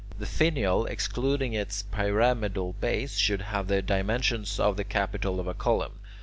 The finial, excluding its pyramidal base, should have the dimensions of the capital of a column.